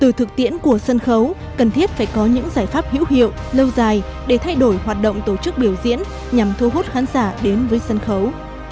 từ thực tiễn của sân khấu cần thiết phải có những giải pháp hữu hiệu lâu dài để thay đổi hoạt động tổ chức biểu diễn nhằm thu hút khán giả đến với sân khấu